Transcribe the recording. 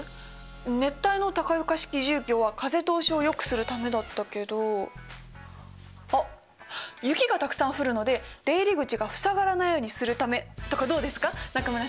熱帯の高床式住居は風通しをよくするためだったけどあっ雪がたくさん降るので出入り口が塞がらないようにするため！とかどうですか中村先生？